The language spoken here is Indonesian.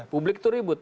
publik itu ribut